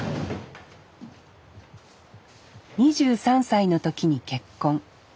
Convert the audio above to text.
２３歳の時に結婚。